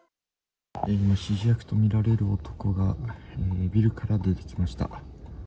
今、指示役と見られる男が、ビルから出てきました。